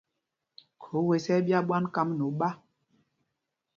Khǒ wes ɛ́ ɛ́ ɓyá ɓwán kám nɛ oɓá.